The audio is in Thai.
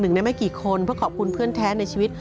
ในไม่กี่คนเพื่อขอบคุณเพื่อนแท้ในชีวิต